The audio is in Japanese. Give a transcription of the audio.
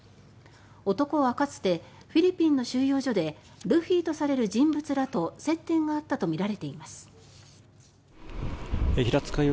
男は、かつてフィリピンの収容所でルフィとされる人物らと接点があったとみられています。